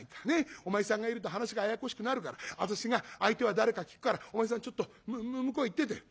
お前さんがいると話がややこしくなるから私が相手は誰か聞くからお前さんちょっと向こう行ってて」。